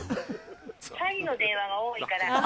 詐欺の電話が多いから。